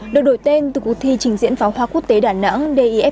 được đổi tên từ cuộc thi trình diễn pháo hoa quốc tế đà nẵng